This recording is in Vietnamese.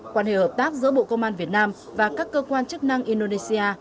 quan hệ hợp tác giữa bộ công an việt nam và các cơ quan chức năng indonesia